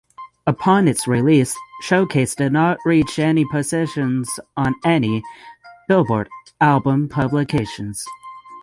Upon its release "Showcase" did not reach positions on any "Billboard" album publications.